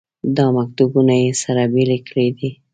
دا مکتبونه یې سره بېلې کړې دي.